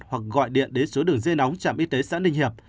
hoặc gọi điện đến số đường dây nóng trạm y tế xã ninh hiệp